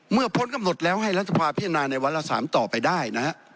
เมื่อพ้นกำหนดแล้วให้รัฐภาพิจารณาในวัลสามต่อไปได้นะครับ